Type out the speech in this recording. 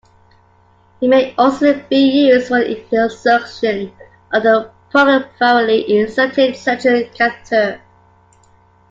It may also be used for the insertion of a peripherally inserted central catheter.